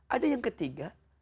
ada yang ketiga